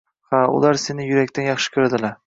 Ha, ular seni yurakdan yaxshi koʻradilar.